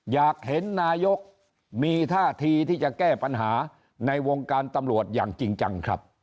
อยากเห็นนายกมีท่าทีที่จะแก้ปัญหาในวงการตำรวจอย่างจริงจังครับ